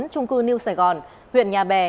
trung cư new sài gòn huyện nhà bè